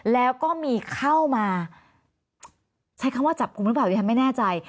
แล้วก็มีเข้ามาใช้คำว่าจับกลุ่มหรือเปล่าดิฉันไม่แน่ใจ